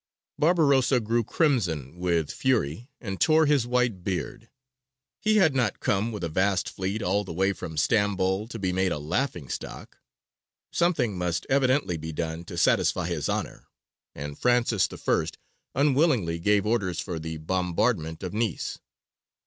Barbarossa grew crimson with fury, and tore his white beard: he had not come with a vast fleet all the way from Stambol to be made a laughing stock. Something must evidentially be done to satisfy his honour, and Francis I. unwillingly gave orders for the bombardment of Nice.